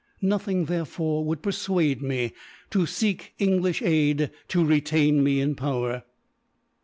Nothing, therefore, would persuade me to seek English aid to retain me in power."